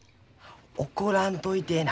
怒らんといてえな。